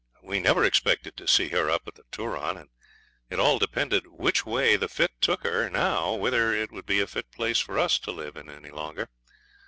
We never expected to see her up at the Turon, and it all depended which way the fit took her now whether it would be a fit place for us to live in any longer.